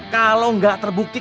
kalau gak terbukti